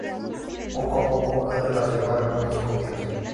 Poco a poco, Ángela se va ganando su confianza.